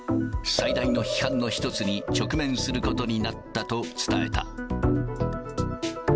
最大の批判の一つに直面することになったと伝えた。